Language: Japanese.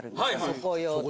そこ用と。